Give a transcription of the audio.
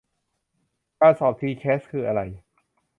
การสอบทีแคสคืออะไร